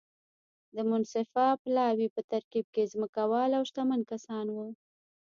د منصفه پلاوي په ترکیب کې ځمکوال او شتمن کسان وو.